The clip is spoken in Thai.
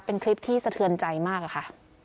เป็นคลิปที่สะเทือนใจมากอะค่ะ